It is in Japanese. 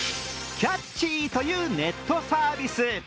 キャッチーというネットサービス。